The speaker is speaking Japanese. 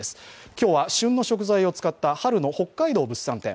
今日は旬の食材を使った春の北海道物産展。